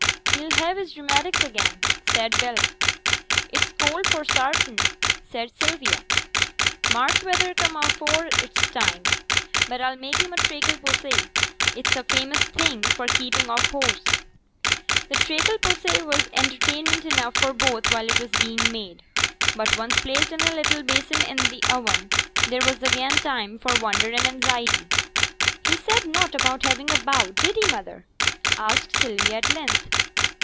'He'll have his rheumatics again,' said Bell. 'It's cold for sartin,' said Sylvia. 'March weather come afore its time. But I'll make him a treacle posset, it's a famous thing for keeping off hoasts.' The treacle posset was entertainment enough for both while it was being made. But once placed in a little basin in the oven, there was again time for wonder and anxiety. 'He said nought about having a bout, did he, mother?' asked Sylvia at length.